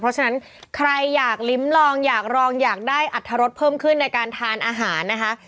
เพราะฉะนั้นใครอยากลิ้มลองอยากลองอยากได้อัตรรสเพิ่มขึ้นในการทานอาหารนะคะ